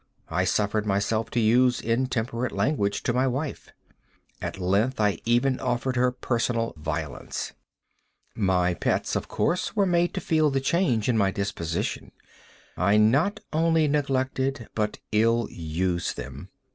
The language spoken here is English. I suffered myself to use intemperate language to my wife. At length, I even offered her personal violence. My pets, of course, were made to feel the change in my disposition. I not only neglected, but ill used them.